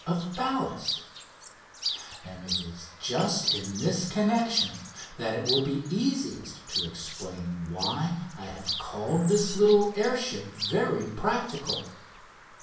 of ballast; and it is just in this connection that it will be easiest to explain why I have called this little air ship very practical.